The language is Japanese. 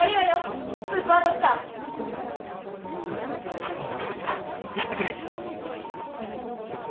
頼む田淵さんやってくれ。